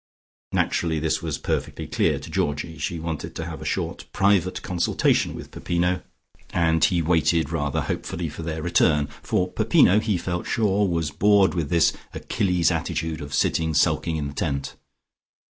Naturally this was perfectly clear to Georgie. She wanted to have a short private consultation with Peppino, and he waited rather hopefully for their return, for Peppino, he felt sure, was bored with this Achilles attitude of sitting sulking in the tent.